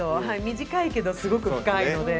短いけどすごく深いので。